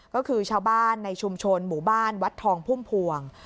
ก็คือชาวบ้านในชุมชนหมู่บ้านวัดทองพุ่มพวง